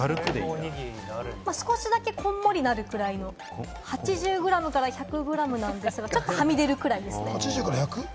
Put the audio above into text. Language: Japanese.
少しだけ、こんもりなるくらいの８０グラムから１００グラムの間、ちょっとはみ出るくらいですね。